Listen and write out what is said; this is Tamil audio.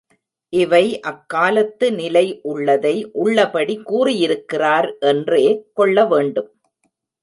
இவை அக்காலத்து நிலை உள்ளதை உள்ளபடி கூறியிருக்கிறார் என்றே கொள்ள வேண்டும்.